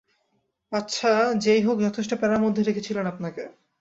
আচ্ছা, যেই হোক যথেষ্ট প্যারার মধ্যে রেখেছিল আপনাকে।